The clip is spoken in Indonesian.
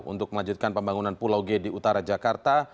untuk melanjutkan pembangunan pulau g di utara jakarta